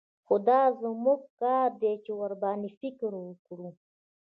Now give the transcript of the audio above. خو دا زموږ کار دى چې ورباندې فکر وکړو.